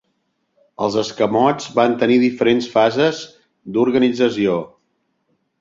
Els escamots van tenir diferents fases d'organització.